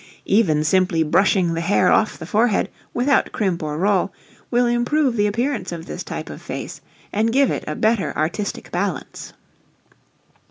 Even simply brushing the hair off the forehead without crimp or roll will improve the appearance of this type of face and give it a better artistic balance.